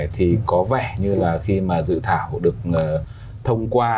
thì có vẻ như là khi mà dự thảo được thông qua